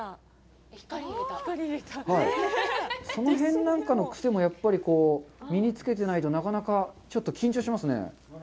その辺なんかのくせも身につけてないとなかなかちょっと緊張しますね。